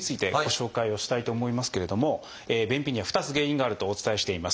便秘には２つ原因があるとお伝えしています。